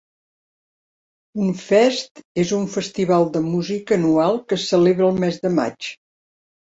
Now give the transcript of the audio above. Unfest és un festival de música anual que es celebra el mes de maig.